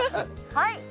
はい。